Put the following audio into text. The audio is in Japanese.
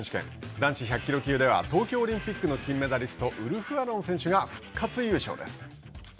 男子１００キロ級では東京オリンピックの金メダリストウルフ・アロン選手が復活優勝です。